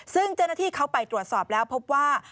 ซึ่งเจ้าหน้าที่เขาไปตรวจสอบแล้วพบว่า